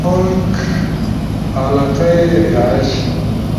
ملک/ علاقہ ئی رہائش